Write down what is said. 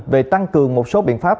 về tăng cường một số biện pháp